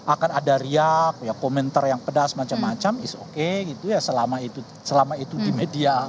akan ada riak ya komentar yang pedas macam macam is oke gitu ya selama itu selama itu di media